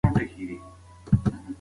قانون باید د ضعیفانو ملاتړ وکړي.